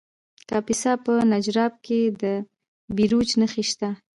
د کاپیسا په نجراب کې د بیروج نښې شته.